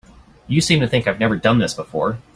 You seem to think I've never done this before.